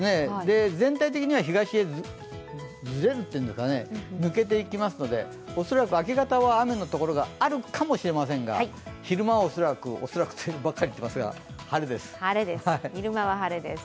全体的には東にずれるというか抜けていきますので恐らく明け方は雨のところがあるかもしれませんが昼間は恐らく、晴れです。